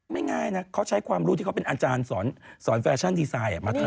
ง่ายนะเขาใช้ความรู้ที่เขาเป็นอาจารย์สอนแฟชั่นดีไซน์มาทำ